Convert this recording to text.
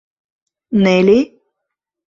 Нелли...